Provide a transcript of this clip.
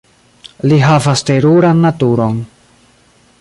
Li havas teruran naturon.